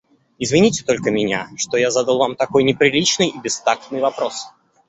Извините только меня, что я задал вам такой неприличный и бестактный вопрос.